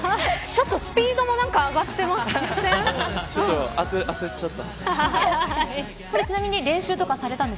ちょっとスピードも上がってません。